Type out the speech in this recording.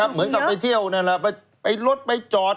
เหมือนกับไปเที่ยวไปรถไปจอด